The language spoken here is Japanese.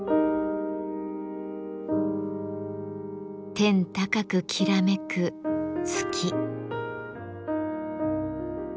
天高くきらめく月。